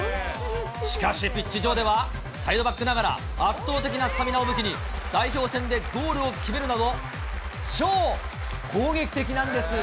しかし、ピッチ上ではサイドバックながら、圧倒的なスタミナを武器に、代表戦でゴールを決めるなど、超攻撃的なんです。